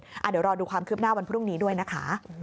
เดี๋ยวรอดูความคืบหน้าวันพรุ่งนี้ด้วยนะคะ